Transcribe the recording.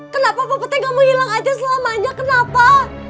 kenapa papa teh ga menghilang aja selamanya kenapa